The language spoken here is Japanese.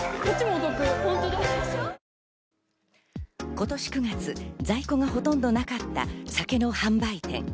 今年９月、在庫がほとんどなかった酒の販売店。